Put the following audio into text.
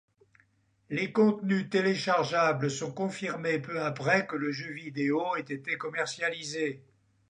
Les contenus téléchargeables sont confirmés peu après que le jeu vidéo ait été commercialisé.